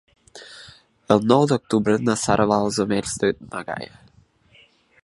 El nou d'octubre na Sara va als Omells de na Gaia.